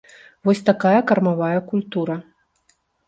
Вось такая кармавая культура.